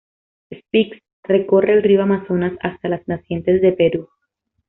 Spix recorre el río Amazonas hasta las nacientes de Perú.